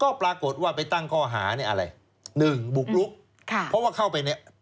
ก็ปรากฏว่าไปตั้งข้อหาเนี่ยอะไรหนึ่งบุกลุกค่ะเพราะว่าเข้าไปเนี่ย